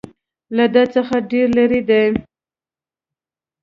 له ده څخه ډېر لرې دي.